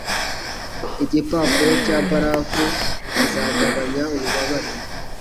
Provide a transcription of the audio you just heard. Igipapuro cya barafu kizagabanya ububabare.